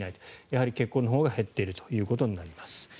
やはり結婚のほうが減っているということになります。